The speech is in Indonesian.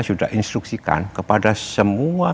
sudah instruksikan kepada semua